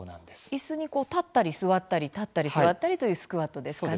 椅子にこう立ったり座ったり立ったり座ったりというスクワットですかね。